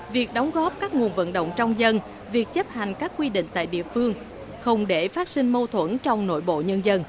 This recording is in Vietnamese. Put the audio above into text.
việc đóng góp các nguồn vận động trong dân việc chấp hành các quy định tại địa phương không để phát sinh mâu thuẫn trong nội bộ nhân dân